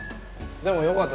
でも、よかった。